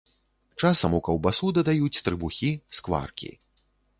Часам у каўбасу дадаюць трыбухі, скваркі.